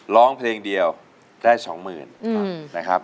ร้องเพลงเดียวได้สองหมื่นนะครับ